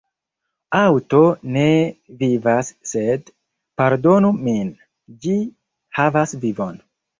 Aŭto ne vivas sed – pardonu min – ĝi havas vivon.